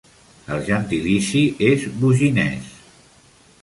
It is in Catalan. El gentilici és "boginès".